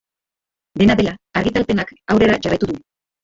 Dena dela, argitalpenak aurrera jarraitu du.